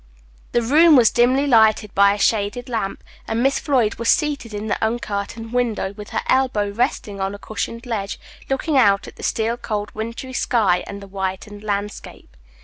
The room was dimly lighted by a shaded lamp, and Miss Floyd was seated in the uncurtained window, with her elbow resting on a cushioned ledge, looking out at the steel cold wintry sky and the whitened landscape.